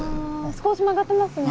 少し曲がってますね。